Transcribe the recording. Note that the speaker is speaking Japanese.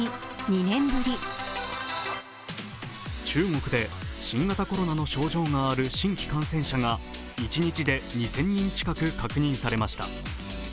中国で新型コロナの症状がある新規感染者が一日で２０００人近く確認されました。